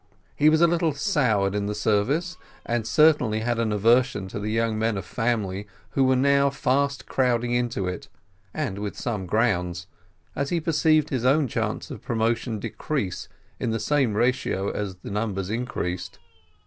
He was a little soured in the service, and certainly had an aversion to the young men of family who were now fast crowding into it and with some grounds, as he perceived his own chance of promotion decrease in the same ratio as the numbers increased.